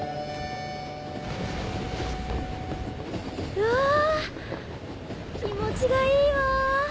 うわぁ気持ちがいいわ！